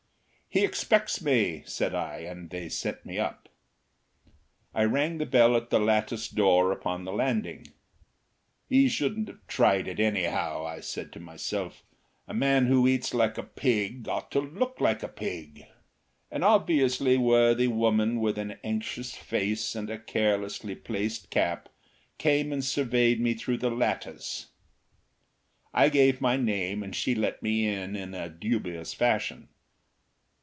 "He expects me," said I, and they sent me up. I rang the bell at the lattice door upon the landing. "He shouldn't have tried it, anyhow," I said to myself. "A man who eats like a pig ought to look like a pig." An obviously worthy woman, with an anxious face and a carelessly placed cap, came and surveyed me through the lattice. I gave my name and she let me in in a dubious fashion.